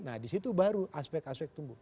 nah disitu baru aspek aspek tumbuh